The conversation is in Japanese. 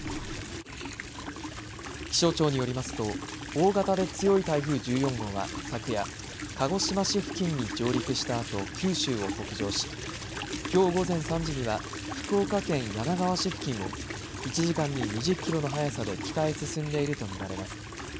気象庁によりますと大型で強い台風１４号は昨夜、鹿児島市付近に上陸したあと九州を北上しきょう午前３時には福岡県柳川市付近を１時間に２０キロの速さで北へ進んでいると見られます。